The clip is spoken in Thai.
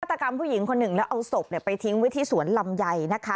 ตกรรมผู้หญิงคนหนึ่งแล้วเอาศพไปทิ้งไว้ที่สวนลำไยนะคะ